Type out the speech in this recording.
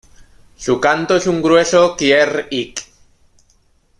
Su canto es un grueso "kieerr-ik".